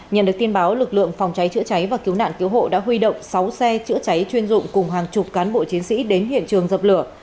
nhận được tin báo lực lượng phòng cháy chữa cháy và cứu nạn cứu hộ đã huy động sáu xe chữa cháy chuyên dụng cùng hàng chục cán bộ chiến sĩ đến hiện trường dập lửa